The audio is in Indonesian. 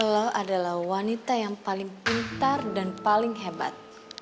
elo adalah wanita yang paling pintar dan paling hebat